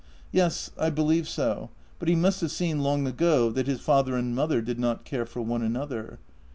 " Yes, I believe so; but he must have seen long ago that his father and mother did not care for one another.